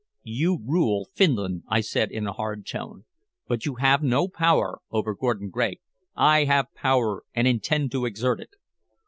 "You rule Finland," I said in a hard tone, "but you have no power over Gordon Gregg." "I have power, and intend to exert it."